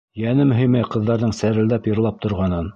Йәнем һөймәй ҡыҙҙарҙың сәрелдәп йырлап торғанын!